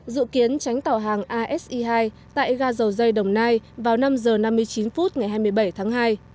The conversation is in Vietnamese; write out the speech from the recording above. dự kiến tránh tàu hàng ase hai tại ga dầu dây đồng nai vào năm h năm mươi chín phút ngày hai mươi bảy tháng hai